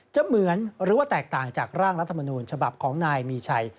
เหมือนหรือว่าแตกต่างจากร่างรัฐมนูญฉบับของนายมีชัย